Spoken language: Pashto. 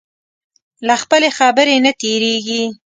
له خپلې خبرې نه تېرېږي.